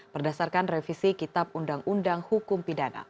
berdasarkan revisi kitab undang undang hukum pidana